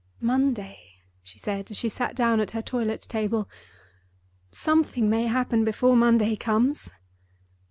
"Monday!" she said, as she sat down at her toilet table. "Something may happen before Monday comes!"